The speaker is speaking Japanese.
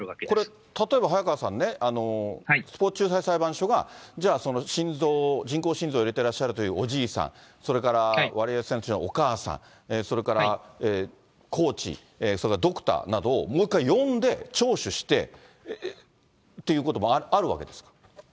これ、例えば早川さんね、スポーツ仲裁裁判所が、じゃあ、その心臓、人工心臓を入れてらっしゃるというおじいさん、それからワリエワ選手のお母さん、それからコーチ、それからドクターなどをもう一回呼んで、聴取して、ということもあるわけですか？